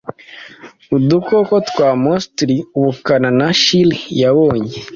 Udukoko twa monstrous ubukana na shrill yabonye